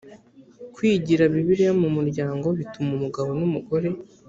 kwigira bibiliya mu muryango bituma umugabo n umugore